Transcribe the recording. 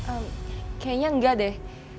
eh kayaknya enggak deh